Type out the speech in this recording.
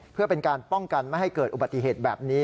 เพื่อเป็นการป้องกันไม่ให้เกิดอุบัติเหตุแบบนี้